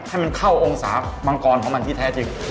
ให้มันเข้าองศามังกรของมันที่แท้จริง